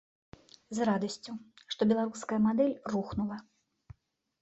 З радасцю, што беларуская мадэль рухнула.